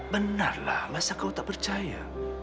benarlah masa kau tak percaya